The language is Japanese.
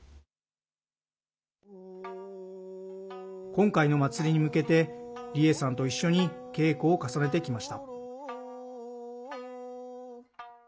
今回の祭りに向けて梨江さんと一緒に稽古を重ねてきました。